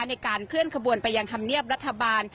ในการเคลื่อนขบวนไปยังธรรมเนียบรัฐบาล